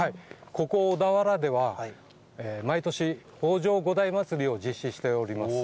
ここ、小田原では、毎年、北條五代祭りを実施しております。